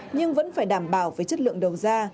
nhưng vẫn phải đảm bảo về chất lượng đầu ra